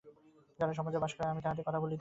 যাহারা সমাজে বাস করে, আমি তাহাদের কথা বলিতেছি।